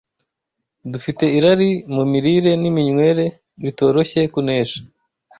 Dufite irari mu mirire n’iminywere ritoroshye kunesha